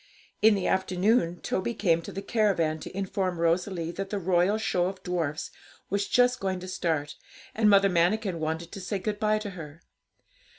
In the afternoon Toby came to the caravan to inform Rosalie that the 'Royal Show of Dwarfs' was just going to start, and Mother Manikin wanted to say good bye to her.